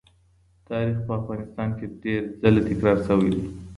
تاریخ په افغانستان کې ډېر ځله تکرار سوی دی.